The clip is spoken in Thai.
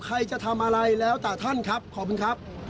ใครจะทำอะไรแล้วแต่ท่านครับขอบคุณครับ